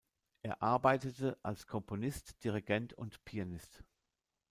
Er arbeitete als Komponist, Dirigent und Pianist.